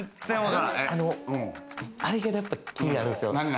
あれがやっぱ気になるんすよ。